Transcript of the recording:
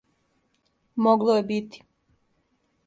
Могло је бити.